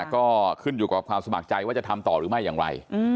ก็ขึ้นอยู่กับความสมัครใจว่าจะทำต่อหรือไม่อย่างไร